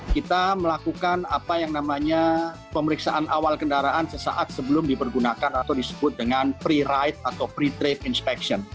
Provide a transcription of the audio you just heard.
kita melakukan apa yang namanya pemeriksaan awal kendaraan sesaat sebelum dipergunakan atau disebut dengan pre ride atau free trade inspection